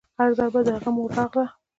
هر ځل به د هغه مور راغله.